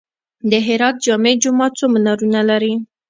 د هرات جامع جومات څو منارونه لري؟